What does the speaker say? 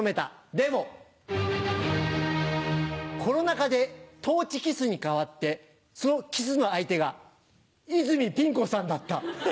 『運命』コロナ禍でトーチキスに変わってそのキスの相手が泉ピン子さんだった。